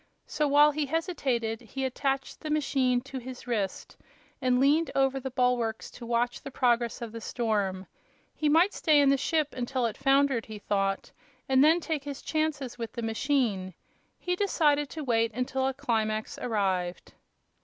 So, while he hesitated, he attached the machine to his wrist and leaned over the bulwarks to watch the progress of the storm. He might stay in the ship until it foundered, he thought, and then take his chances with the machine. He decided to wait until a climax arrived.